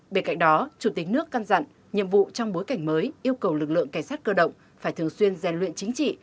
bên cạnh đó chủ tịch nước căn dặn nhiệm vụ trong bối cảnh mới yêu cầu lực lượng cảnh sát cơ động phải thường xuyên gian luyện chính trị